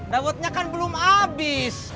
dawetnya kan belum habis